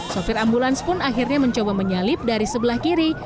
sopir ambulans pun akhirnya mencoba menyalip dari sebelah kiri